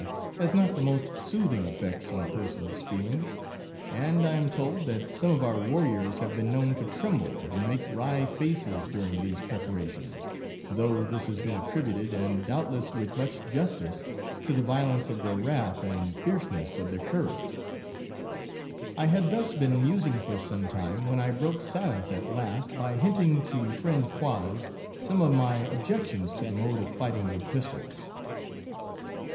has not the most soothing effects on a person's feelings ; and I am told that some of our warriors have been known to tremble, and make wry faces, during these prepara tions ; though this has been attributed, and doubtless with much justice, to the violence of their wrath, and fierceness of their courage,, I had thus been musing for some time, when broke silence at last, by hinting to friend 68 Quoz, some of my objections to the mode of fighting with pistols.